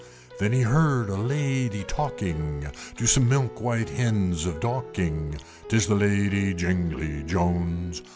There he heard a Lady talking, To some milk white Hens of Dorking, "'Tis the Lady Jingly Jones!